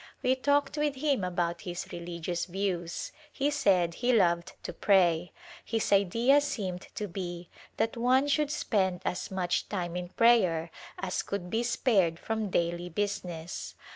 We talked with him about his religious views. He said he loved to pray ; his idea seemed to be that one should spend as much time in prayer as could be spared from daily business.